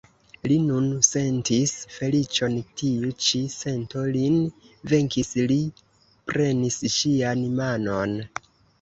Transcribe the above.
Li nun sentis feliĉon, tiu ĉi sento lin venkis, li prenis ŝian manon.